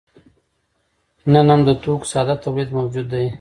نن هم د توکو ساده تولید موجود دی.